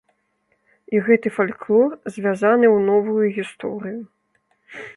І гэты фальклор звязаны ў новую гісторыю.